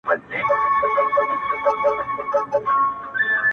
زما له عشقه جوړه سوې اوس کیسه د پاڼ او پړانګ ده,